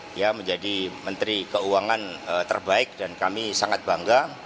dia menjadi menteri keuangan terbaik dan kami sangat bangga